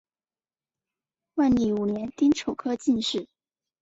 万历五年丁丑科进士。